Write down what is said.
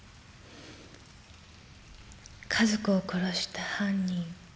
家族を殺した犯人。